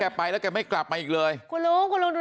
ไปแล้วแกไม่กลับมาอีกเลยคุณลุงคุณลุงดู